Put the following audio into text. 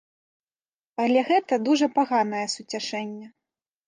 Але гэта дужа паганае суцяшэнне.